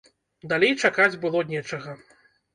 Далей чакаць было нечага.